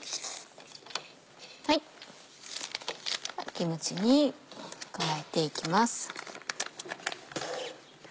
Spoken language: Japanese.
キムチに加えていきます。